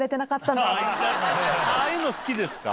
ああいうの好きですか？